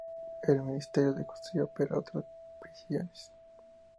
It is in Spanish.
El Ministerio de Justicia opera otras prisiones.